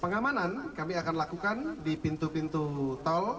pengamanan kami akan lakukan di pintu pintu tol